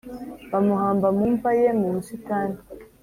Bamuhamba mu mva ye mu busitani